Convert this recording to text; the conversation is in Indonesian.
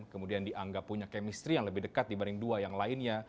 kemudian dianggap punya kemistri yang lebih dekat dibanding dua yang lainnya